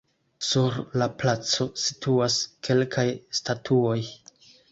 Sur la placo situas kelkaj statuoj.